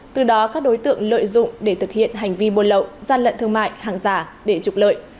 từ đó các đối tượng lợi dụng để thực hiện hành vi bồn lậu gian lận thương mại hàng giả để trục lợi